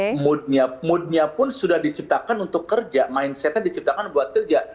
jadi mood nya pun sudah diciptakan untuk kerja mindset nya diciptakan buat kerja